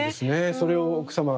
それを奥様は。